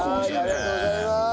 ありがとうございます。